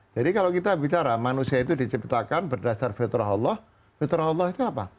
jadi kalau kita bicara manusia itu diciptakan berdasar fitrah allah fitrah allah itu apa